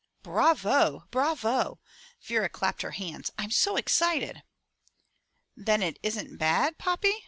'* "Bravo! Bravo! " Vera clapped her hands. '' Fm so excited." "Then it isn't bad, Poppy?'